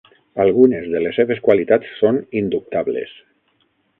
Algunes de les seves qualitats són indubtables.